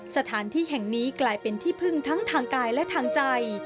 สถานที่แห่งนี้กลายเป็นที่พึ่งทั้งทางกายและทางใจ